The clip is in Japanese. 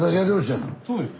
そうです。